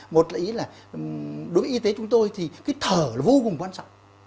một là ý là đối với y tế chúng tôi thì cái thở là vô cùng quan trọng